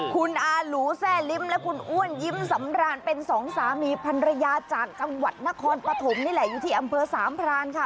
คุณอาหลูแซ่ลิ้มและคุณอ้วนยิ้มสำรานเป็นสองสามีพันรยาจากจังหวัดนครปฐมนี่แหละอยู่ที่อำเภอสามพรานค่ะ